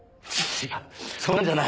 違うそんなんじゃない。